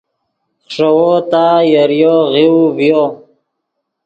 خݰوؤ تا یریو غیؤو ڤیو